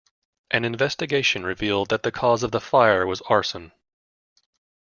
An investigation revealed that the cause of the fire was arson.